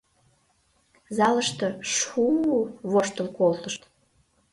Залыште шу-у-у воштыл колтышт.